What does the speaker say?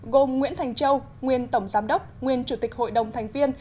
gồm nguyễn thành châu nguyên tổng giám đốc nguyên chủ tịch hội đồng thành viên